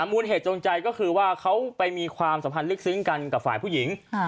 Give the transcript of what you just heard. มูลเหตุจงใจก็คือว่าเขาไปมีความสัมพันธ์ลึกซึ้งกันกับฝ่ายผู้หญิง